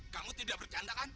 kamu tidak bercanda kan